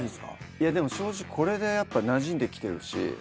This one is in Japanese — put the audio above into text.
いやでも正直これでやっぱなじんできてるし。